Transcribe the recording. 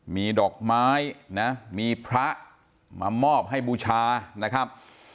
มีดอกไม้นะมีพระมามอบให้บูชานะครับ